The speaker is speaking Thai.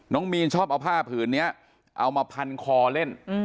มีนชอบเอาผ้าผืนนี้เอามาพันคอเล่น